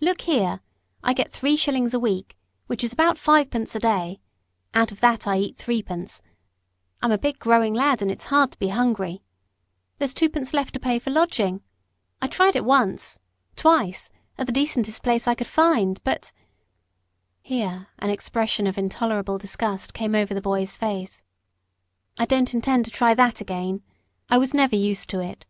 "Look here. I get three shillings a week, which is about fivepence a day; out of that I eat threepence I'm a big, growing lad, and it's hard to be hungry. There's twopence left to pay for lodging. I tried it once twice at the decentest place I could find, but " here an expression of intolerable disgust came over the boy's face "I don't intend to try that again. I was never used to it.